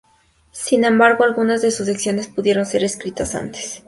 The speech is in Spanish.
Sin embargo, algunas de sus secciones pudieron ser escritas antes.